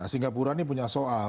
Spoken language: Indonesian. singapura ini punya soal